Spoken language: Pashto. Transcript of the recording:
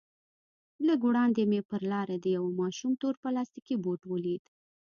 لږ وړاندې مې پر لاره د يوه ماشوم تور پلاستيكي بوټ وليد.